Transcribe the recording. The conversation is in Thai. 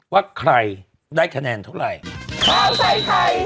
ว่าใครได้คะแนนเท่าไร